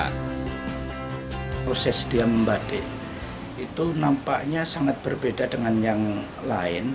proses dia membuat batik itu nampaknya sangat berbeda dengan yang lain